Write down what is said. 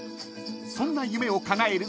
［そんな夢をかなえる］